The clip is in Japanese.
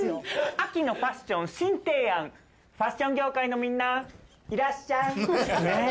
秋のファッション新提案ファッション業界のみんないらっしゃいねぇ。